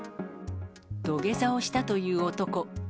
土下座をしたという男。